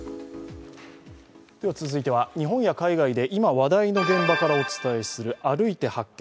続いては日本や海外で今話題の現場からお伝えする「歩いて発見！